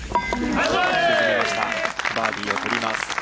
バーディーを取ります。